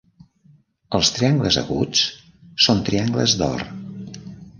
Els triangles aguts són triangles d'or.